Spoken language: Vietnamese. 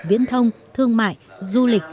viễn thông thương mại du lịch